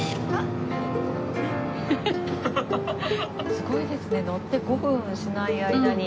すごいですね乗って５分しない間に。